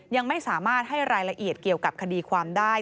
ยังไม่สามารถให้รายละเอียดเกี่ยวกับคดีความได้